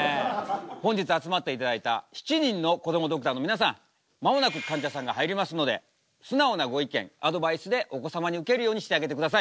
本日集まっていただいた７人のこどもドクターの皆さん間もなくかんじゃさんが入りますので素直なご意見アドバイスでお子様にウケるようにしてあげてください。